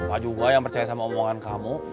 pak juga yang percaya sama omongan kamu